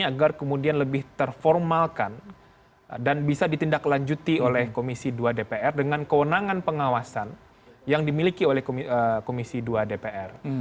agar kemudian lebih terformalkan dan bisa ditindaklanjuti oleh komisi dua dpr dengan kewenangan pengawasan yang dimiliki oleh komisi dua dpr